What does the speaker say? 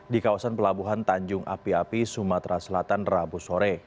di kawasan pelabuhan tanjung api api sumatera selatan rabu sore